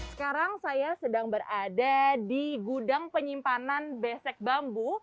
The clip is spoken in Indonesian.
sekarang saya sedang berada di gudang penyimpanan besek bambu